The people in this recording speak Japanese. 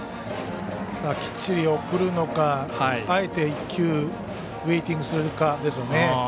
きっちり送るのかあえて１球ウエイティングするかですね。